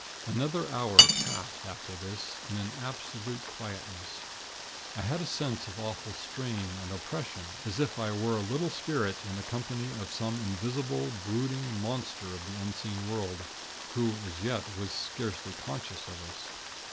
"Another hour passed, after this, in an absolute quietness. I had a sense of awful strain and oppression, as though I were a little spirit in the company of some invisible, brooding monster of the unseen world, who, as yet, was scarcely conscious of us.